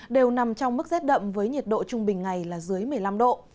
đều nằm trong mức rét đậm với nhiệt độ trung bình ngày là dưới một mươi năm độ